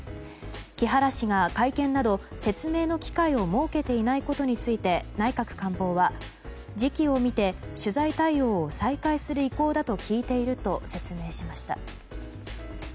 木原氏が会見など、説明の機会を設けていないことについて内閣官房は時機を見て取材対応を再開する意向だと聞いていると説明しました。